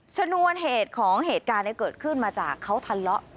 ชนวนเหตุของเหตุการณ์เกิดขึ้นมาจากเขาทะเลาะ